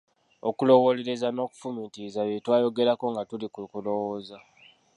Okulowoolereza n'okufumiitiriza, bye twayogerako nga tuli ku kulowooza.